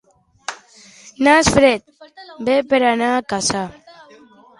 Nas fred, bé per anar a caçar.